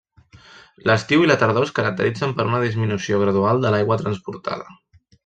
L'estiu i la tardor es caracteritzen per una disminució gradual de l'aigua transportada.